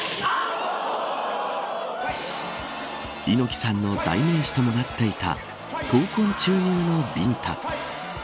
猪木さんの代名詞ともなっていた闘魂注入のビンタ。